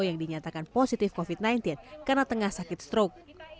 yang dinyatakan positif covid sembilan belas karena tengah sakit strok